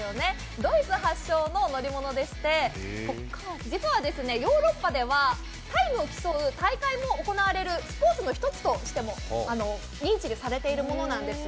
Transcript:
ドイツ発祥の乗り物でして実はヨーロッパではタイムを競う大会も行われるスポーツの一つとしても認知されているものなんです。